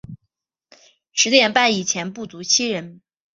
十点半以前不足七人